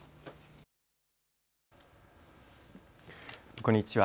こんにちは。